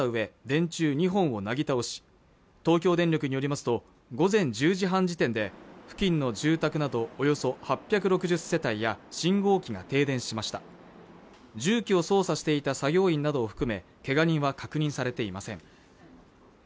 電柱２本をなぎ倒し東京電力によりますと午前１０時半時点で付近の住宅などおよそ８６０世帯や信号機が停電しました重機を操作していた作業員などを含めけが人は確認されていません